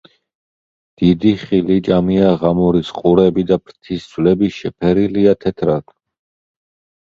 დიდი ხილიჭამია ღამურის ყურები და ფრთის ძვლები შეფერილია თეთრად.